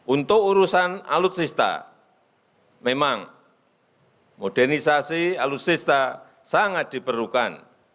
untuk urusan alutsista memang modernisasi alutsista sangat diperlukan